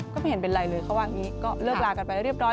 ก็ไม่เห็นเป็นไรเลยเขาว่าอย่างนี้ก็เลิกลากันไปเรียบร้อย